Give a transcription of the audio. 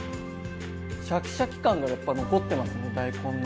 シャキシャキ感がやっぱ残ってますね大根の。